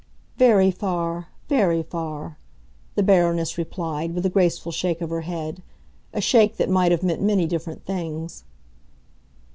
"Very far—very far," the Baroness replied, with a graceful shake of her head—a shake that might have meant many different things.